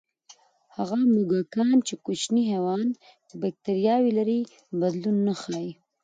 هغه موږکان چې کوچني حیوان بکتریاوې لري، بدلون نه ښيي.